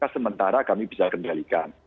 sementara kami bisa kendalikan